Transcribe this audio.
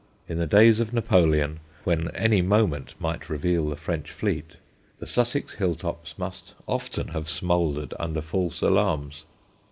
In the days of Napoleon, when any moment might reveal the French fleet, the Sussex hill tops must often have smouldered under false alarms.